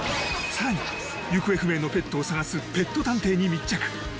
更に、行方不明のペットを捜すペット探偵に密着。